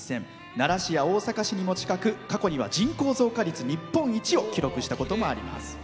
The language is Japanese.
奈良市や大阪市にも近く過去には人口増加率日本一を記録したこともあります。